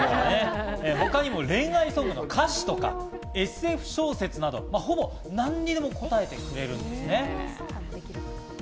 他にも、恋愛相談やＳＦ小説など、ほぼ何にでも答えてくれるんですね。